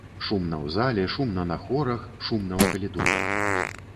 Шумна ў зале, шумна на хорах, шумна ў калідорах.